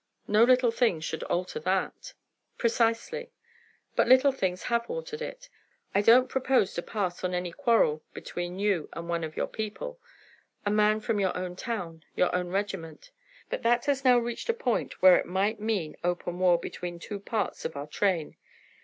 No little things should alter that." "Precisely. But little things have altered it. I don't propose to pass on any quarrel between you and one of our people a man from your own town, your own regiment. But that has now reached a point where it might mean open war between two parts of our train.